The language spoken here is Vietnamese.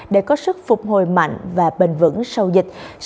để có sức phục hồi mạnh và bền vững sau dịch